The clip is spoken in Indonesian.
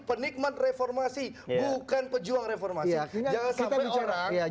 penikmat reformasi bukan pejuang reformasi jangan sampai orang yang